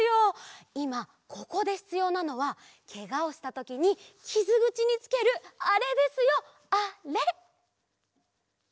いまここでひつようなのはけがをしたときにきずぐちにつけるあれですよあれ！